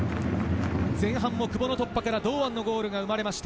前半も久保の突破から堂安のゴールが生まれました。